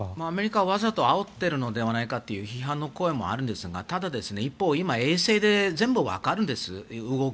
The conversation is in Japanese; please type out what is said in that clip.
アメリカはわざとあおってるのではないかという批判の声もあるんですがただ、一方、今衛星で動きが全部わかるんです。